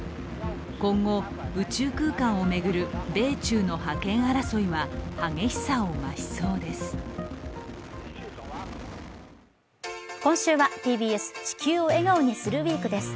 今後、宇宙空間を巡る米中の覇権争いは激しさを増しそうです。